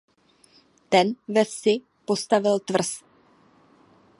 Ten ve vsi postavil tvrz.